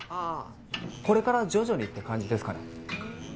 これから徐々にって感じですかね。